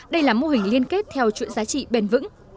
đây là mô hình liên kết theo chuỗi giá trị bền vững